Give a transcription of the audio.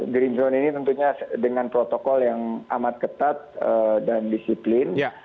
green zone ini tentunya dengan protokol yang amat ketat dan disiplin